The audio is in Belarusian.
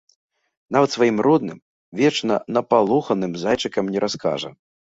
Нават сваім родным, вечна напалоханым зайчыкам не раскажа.